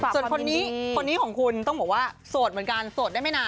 ส่วนคนนี้คนนี้ของคุณต้องบอกว่าโสดเหมือนกันโสดได้ไม่นาน